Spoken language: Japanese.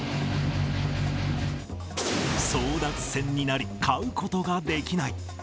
争奪戦になり、買うことができない。